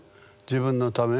自分のため？